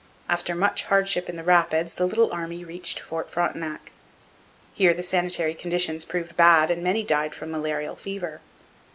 After much hardship in the rapids the little army reached Fort Frontenac. Here the sanitary conditions proved bad and many died from malarial fever.